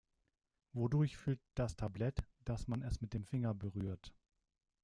Wodurch fühlt das Tablet, dass man es mit dem Finger berührt?